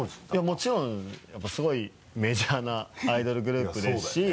もちろんやっぱすごいメジャーなアイドルグループですし。